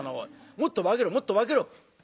もっと化けろもっと化けろ」。